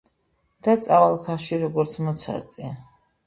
და წავალ ქარში როგორც მოცარტი